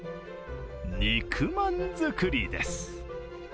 肉まん作りです。